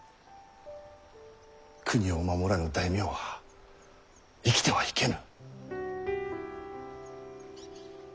国を守らぬ大名は生きてはいけぬ。